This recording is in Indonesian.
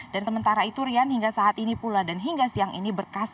dan sementara itu rian hingga saat ini pula dan hingga siang ini berkasih